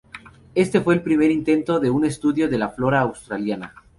Este fue el primer intento de un estudio de la flora australiana.